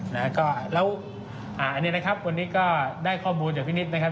แล้วก็แล้วอ่าอันนี้นะครับวันนี้ก็ได้ข้อมูลจากพี่นิดนะครับ